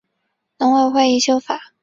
农委会已修法